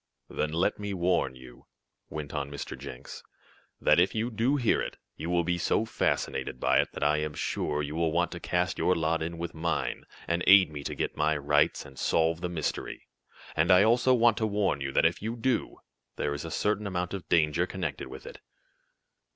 "Then let me warn you," went on Mr. Jenks, "that if you do hear it, you will be so fascinated by it that I am sure you will want to cast your lot in with mine, and aid me to get my rights, and solve the mystery. And I also want to warn you that if you do, there is a certain amount of danger connected with it."